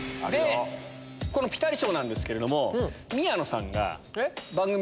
このピタリ賞なんですけれども。